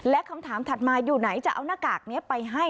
และคำถามถัดมาอยู่ไหนจะเอาหน้ากากนี้ไปให้